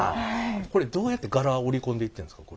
これどうやって柄織り込んでいってんですか？